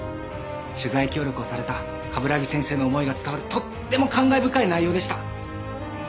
取材協力をされた鏑木先生の思いが伝わるとっても感慨深い内容でした。